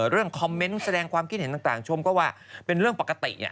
เรื่องคอมเมนต์แสดงความคิดเห็นต่างชมก็ว่าเป็นเรื่องปกติ